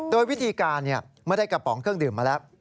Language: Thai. โดยวิธีการเมื่อได้กระป๋องเครื่องดื่มมาแล้ว